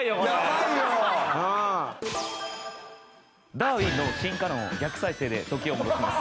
ダーウィンの進化論を逆再生で時を戻します。